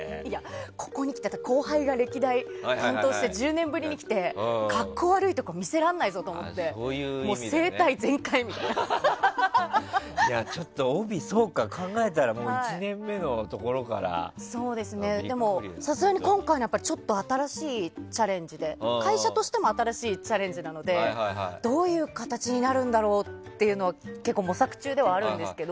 ここにきて後輩が歴代担当してきて１０年きて格好悪いところ見せられないぞと思って帯、考えたらさすがに今回のは新しいチャレンジで会社としても新しいチャレンジなのでどういう形になるんだろうっていうのは結構模索中ではあるんですけど。